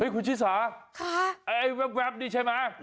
คุณชิสาแว๊บนี่ใช่ไหม